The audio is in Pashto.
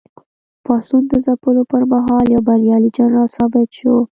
پاڅون د ځپلو پر مهال یو بریالی جنرال ثابت شو.